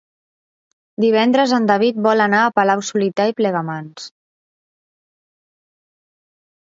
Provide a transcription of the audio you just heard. Divendres en David vol anar a Palau-solità i Plegamans.